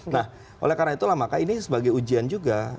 nah oleh karena itulah maka ini sebagai ujian juga